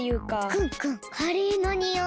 クンクンカレーのにおい。